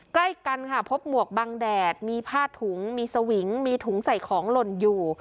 ใกล้กันค่ะพบหมวกบังแดดมีผ้าถุงมีสวิงมีถุงใส่ของหล่นอยู่